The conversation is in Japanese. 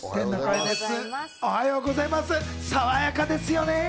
さわやかですよね。